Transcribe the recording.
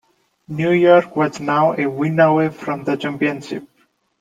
New York was now a win away from the championship.